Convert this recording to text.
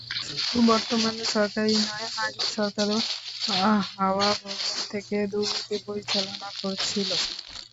শুধু বর্তমান সরকারই নয়, আগের সরকারও হাওয়া ভবন থেকে দুর্নীতি পরিচালনা করেছিল।